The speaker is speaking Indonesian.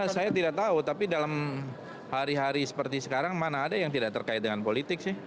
saya tidak tahu tapi dalam hari hari seperti sekarang mana ada yang tidak terkait dengan politik sih